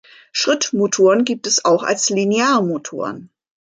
Schrittmotoren gibt es auch als Linearmotoren.